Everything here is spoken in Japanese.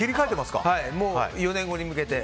もう４年後に向けて。